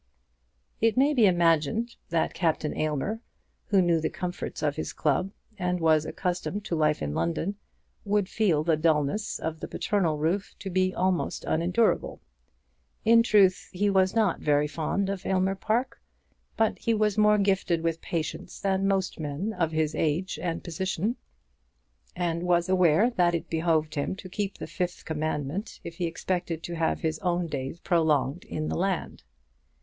It may be imagined that Captain Aylmer, who knew the comforts of his club and was accustomed to life in London, would feel the dulness of the paternal roof to be almost unendurable. In truth, he was not very fond of Aylmer Park, but he was more gifted with patience than most men of his age and position, and was aware that it behoved him to keep the Fifth Commandment if he expected to have his own days prolonged in the land.